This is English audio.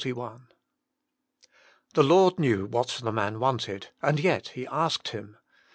The Lord knew what the man wanted, and yet He asked him.